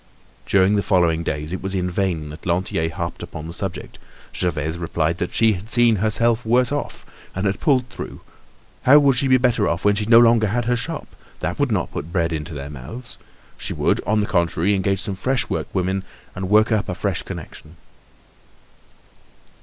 During the following days it was in vain that Lantier harped upon the subject. Gervaise replied that she had seen herself worse off and had pulled through. How would she be better off when she no longer had her shop? That would not put bread into their mouths. She would, on the contrary, engage some fresh workwomen and work up a fresh connection.